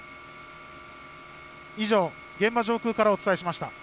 以上、現場上空からお伝えしました。